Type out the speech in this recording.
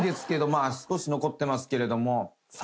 あ少し残ってますけれども。